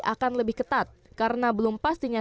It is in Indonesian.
akan lebih ketat karena belum pastinya